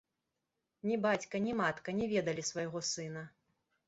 Ні бацька, ні матка не ведалі свайго сына.